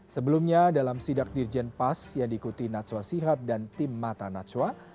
sebelumnya dalam sidak dirjen pas yang diikuti natwa sihab dan tim mata natswa